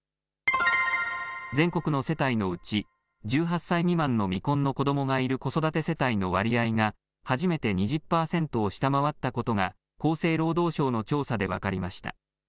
全国の世帯のうち、１８歳未満の未婚の子どもがいる子育て世帯の割合が、初めて２０％を下回ったことが、厚生労働省の調査で分かりました。